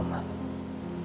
ini juga berat buat andi